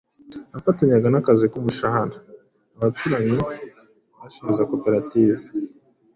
nafatanyaga n’akazi k’umushahara. Abaturanyi bashinze koperative